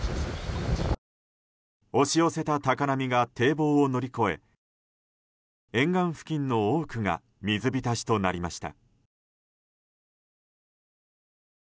押し寄せた高波が堤防を乗り越え沿岸付近の多くが水浸しとなりました。